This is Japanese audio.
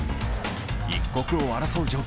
一刻を争う状況。